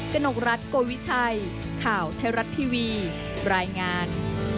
กนกรัฐโกวิชัยข่าวไทยรัฐทีวีรายงาน